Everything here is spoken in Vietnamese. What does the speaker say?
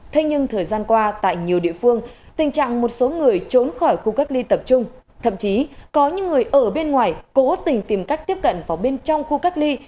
thế nhưng thời gian qua tại nhiều địa phương tình trạng một số người trốn khỏi khu cách ly tập trung thậm chí có những người ở bên ngoài cố tình tìm cách tiếp cận vào bên trong khu cách ly